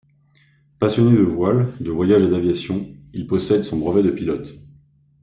Passionné de voile, de voyages et d'aviation, il possède son brevet de pilote.